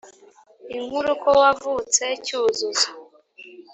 Inkuru ko wavutse Cyuzuzo